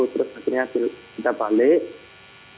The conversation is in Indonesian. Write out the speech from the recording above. terus akhirnya kita balik